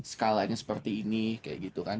skalanya seperti ini kayak gitu kan